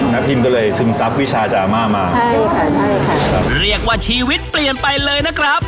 น้าพิมพ์ก็เลยซึมทรัพย์วิชาจาอาม่ามาใช่ค่ะใช่ค่ะเรียกว่าชีวิตเปลี่ยนไปเลยนะครับ